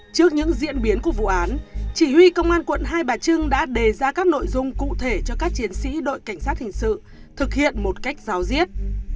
trước những diễn biến của vụ án chỉ huy công an quận hai bà trưng đã đề ra các nội dung cụ thể cho các chiến sĩ đội cảnh sát hình sự thực hiện một cách giáo diết